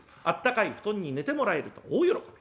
あったかい布団に寝てもらえると大喜び。